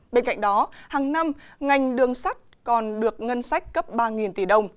bên cạnh đó hàng năm ngành đường sắt còn được ngân sách cấp ba tỷ đồng